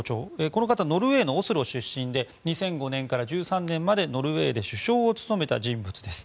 この方はノルウェーのオスロ出身で２００５年から１３年までノルウェーで首相を務めた人物です。